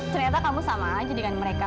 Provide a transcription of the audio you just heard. ternyata kamu sama aja dengan mereka